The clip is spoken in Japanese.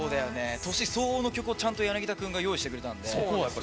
年相応の曲を柳田君が用意してくれたんで。